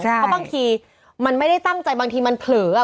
เพราะบางทีมันไม่ได้ตั้งใจบางทีมันเผลอ